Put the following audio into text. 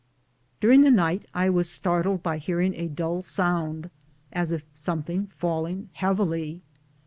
During the night I was startled by hearing a dull sound, as of something falling heavily.